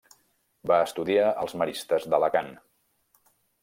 Va estudiar als maristes d'Alacant.